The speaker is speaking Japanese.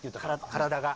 体が。